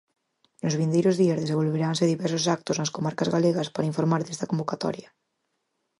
Nos vindeiros días desenvolveranse diversos actos nas comarcas galegas para informar desta convocatoria.